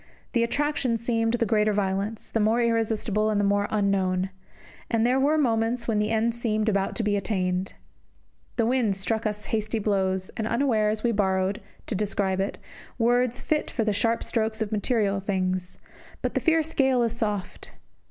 The attraction seemed the greater violence, the more irresistible, and the more unknown. And there were moments when the end seemed about to be attained. The wind struck us hasty blows, and unawares we borrowed, to describe it, words fit for the sharp strokes of material things; but the fierce gale is soft.